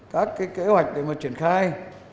các cái kế hoạch để mà triển khai